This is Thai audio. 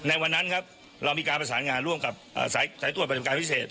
ในวันนั้นครับเรามีการประสานงานร่วมกับสายตรวจประจำการพิเศษ